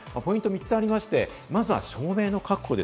ポイントは３つありまして、まずは照明の確保。